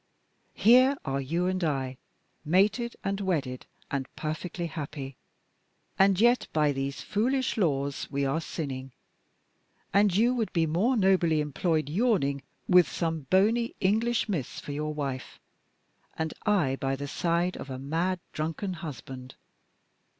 Here are you and I mated and wedded and perfectly happy and yet by these foolish laws we are sinning, and you would be more nobly employed yawning with some bony English miss for your wife and I by the side of a mad, drunken husband.